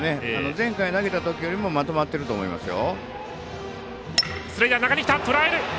前回、投げたときよりもまとまっていると思いますよ。